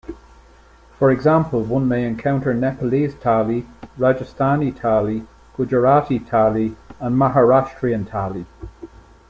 For example, one may encounter Nepalese thali, Rajasthani thali, Gujarati thali and Maharashtrian thali.